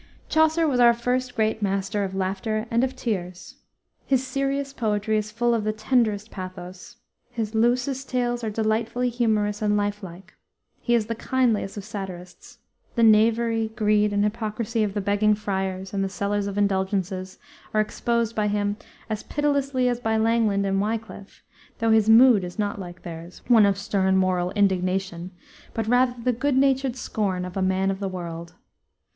Chaucer was our first great master of laughter and of tears. His serious poetry is full of the tenderest pathos. His loosest tales are delightfully humorous and life like. He is the kindliest of satirists. The knavery, greed, and hypocrisy of the begging friars and the sellers of indulgences are exposed by him as pitilessly as by Langland and Wiclif, though his mood is not like theirs, one of stern, moral indignation, but rather the good natured scorn of a man of the world.